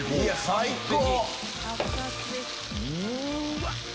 最高！